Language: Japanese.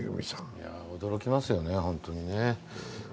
驚きますよね、本当にね。